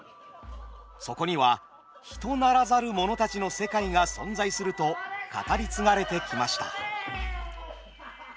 そこには人ならざる者たちの世界が存在すると語り継がれてきました。